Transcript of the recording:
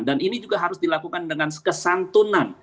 dan ini juga harus dilakukan dengan kesantunan